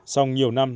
xong nhiều năm